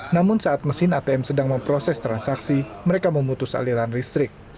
namun saat mesin atm sedang memproses transaksi mereka memutus aliran listrik